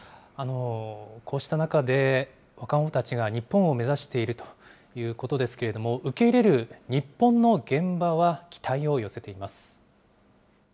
こうした中で、若者たちが日本を目指しているということですけれども、受け入れる日本の現場は期待を寄せています。